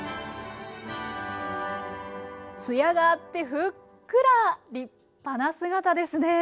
艶があってふっくら立派な姿ですね！